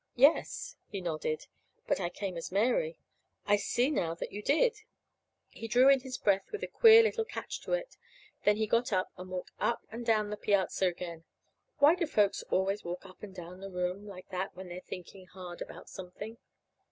"Yes," he nodded. "But I came as Mary." "I see now that you did." He drew in his breath with a queer little catch to it; then he got up and walked up and down the piazza again. (Why do old folks always walk up and down the room like that when they're thinking hard about something?